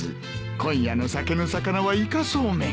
今夜の酒のさかなはイカそうめん。